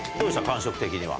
感触的には。